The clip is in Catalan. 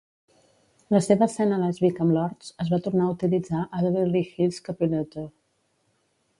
La seva escena lèsbica amb Lords es va tornar a utilitzar a "Beverly Hills Copulator".